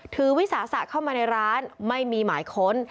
วิสาสะเข้ามาในร้านไม่มีหมายค้น